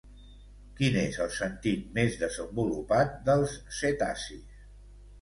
Quin és el sentit més desenvolupat dels cetacis?